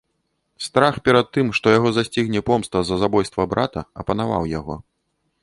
Страх перад тым, што яго засцігне помста за забойства брата, апанаваў яго.